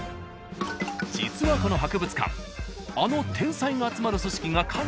［実はこの博物館あの天才が集まる組織が管理しているんです］